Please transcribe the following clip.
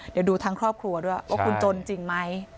เดี๋ยวดูทั้งครอบครัวด้วยว่าคุณจนจริงไหม